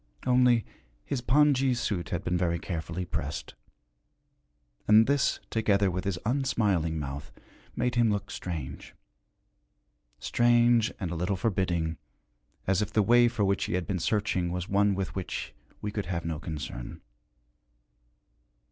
Only, his pongee suit had been very carefully pressed, and this, together with his unsmiling mouth, made him look strange strange and a little forbidding, as if the way for which he had been searching was one with which we could have no concern.